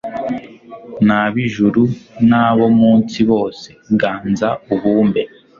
n'ab'ijuru n'abo mu nsi bose, ganza ubumbe